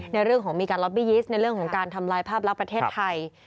ในเรื่องของการล็อบบียิสต์ในเรื่องของการทำลายภาพลักษณ์ประเทศไทย